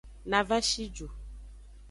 Na va shi ju.